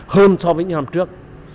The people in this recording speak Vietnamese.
hơn so với những năm trước